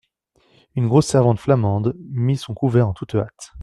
Une grosse servante flamande mit son couvert en toute hâte.